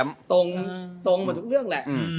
อย่างการดูแหละ